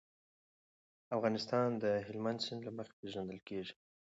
افغانستان د هلمند سیند له مخې پېژندل کېږي.